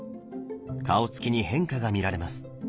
顔つきに変化が見られます。